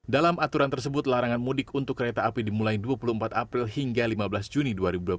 dalam aturan tersebut larangan mudik untuk kereta api dimulai dua puluh empat april hingga lima belas juni dua ribu dua puluh tiga